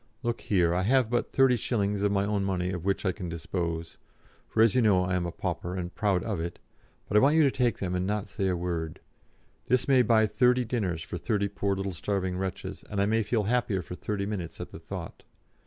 Look here; I have but 30s. of my own money of which I can dispose (for as you know I am a pauper, and proud of it), but I want you to take them and not say a word. This may buy thirty dinners for thirty poor little starving wretches, and I may feel happier for thirty minutes at the thought.